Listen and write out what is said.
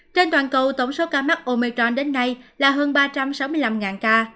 trên toàn cầu tổng số ca mắc omicharm đến nay là hơn ba trăm sáu mươi năm ca